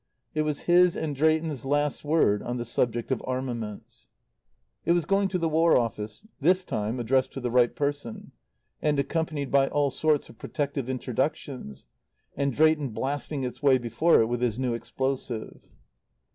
It was his and Drayton's last word on the subject of armaments. It was going to the War Office, this time, addressed to the right person, and accompanied by all sorts of protective introductions, and Drayton blasting its way before it with his new explosive.